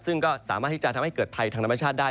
ซึ่งก็สามารถที่จะทำให้เกิดภัยทางธรรมชาติได้